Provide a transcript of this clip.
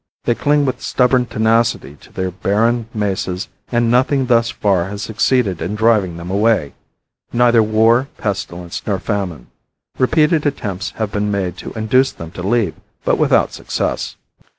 They cling with stubborn tenacity to their barren mesas and nothing thus far has succeeded in driving them away; neither war, pestilence nor famine. Repeated attempts have been made to induce them to leave, but without success.